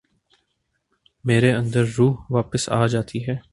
میرے اندر روح واپس آ جاتی ہے ۔